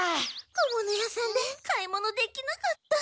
小物屋さんで買い物できなかった。